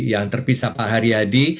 yang terpisah pak ariyadi